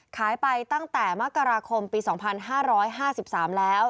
ขายไปตั้งแต่มกราคมปี๒๕๕๓แล้ว